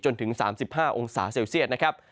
๓๔๓๕องศาเซลเซียต